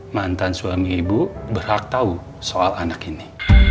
mantan suami ibu berhak tahu soal anak ini